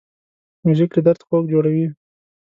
موزیک له درد خوږ جوړوي.